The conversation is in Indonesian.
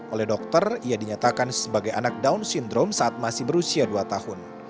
oleh dokter ia dinyatakan sebagai anak down syndrome saat masih berusia dua tahun